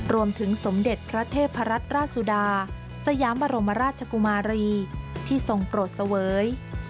สมเด็จพระเทพรัตนราชสุดาสยามบรมราชกุมารีที่ทรงโปรดเสวย